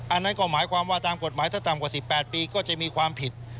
อันนั้นก็หมายความว่าตามกฎหมายถ้าต่ำกว่า๑๘ปีก็จะมีความผิด